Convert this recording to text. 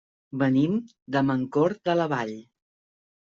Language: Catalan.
Venim de Mancor de la Vall.